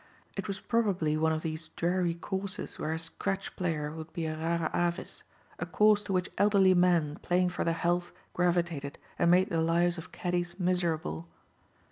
It was probably one of these dreary courses where a scratch player would be a rara avis, a course to which elderly men, playing for their health, gravitated and made the lives of caddies miserable.